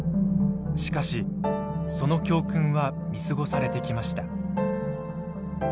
しかしその教訓は見過ごされてきました。